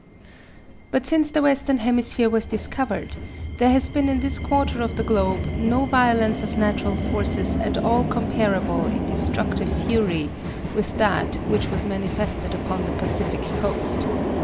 But since the western hemisphere was discovered there has been in this quarter of the globe no violence of natural forces at all comparable in destructive fury with that which was manifested upon the Pacific coast.